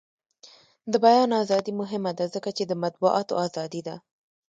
د بیان ازادي مهمه ده ځکه چې د مطبوعاتو ازادي ده.